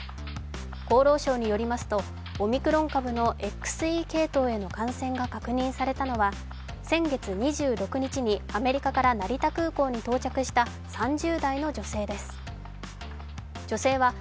厚労省によりますと、オミクロン株のＸＥ系統への感染が確認されたのは先月２６日にアメリカから成田空港に到着した３０代の女性です。